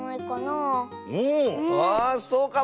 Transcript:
ああっそうかも！